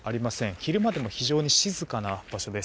昼間でも非常に静かな場所です。